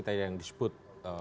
tadi yang disebut